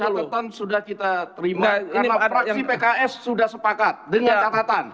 catatan sudah kita terima karena fraksi pks sudah sepakat dengan catatan